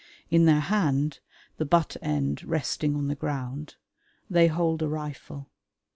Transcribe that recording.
In their hand, the butt end resting on the ground, they hold a rifle.